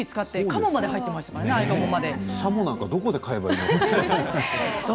シャモなんてどこで買えばいいんだ。